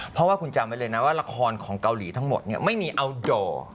เพราะว่าคุณจำไว้เลยนะว่าละครของเกาหลีทั้งหมดไม่มีอัลดอร์